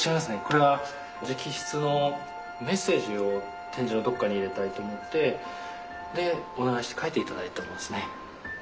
これは直筆のメッセージを展示のどこかに入れたいと思ってお願いして書いて頂いたものですね。